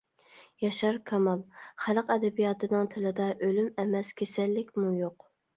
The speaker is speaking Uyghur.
ياشار كامال: خەلق ئەدەبىياتىنىڭ تىلىدا ئۆلۈم ئەمەس، كېسەللىكمۇ يوق.